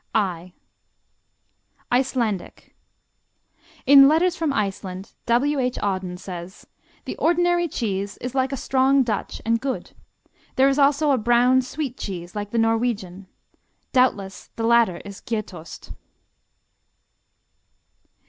I Icelandic In Letters from Iceland, W.H. Auden says: "The ordinary cheese is like a strong Dutch and good. There is also a brown sweet cheese, like the Norwegian." Doubtless the latter is Gjetost.